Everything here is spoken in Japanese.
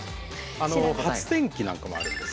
発電機なんかもあるんですよ。